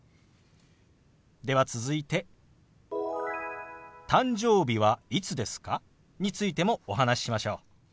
では続いて「誕生日はいつですか？」についてもお話ししましょう。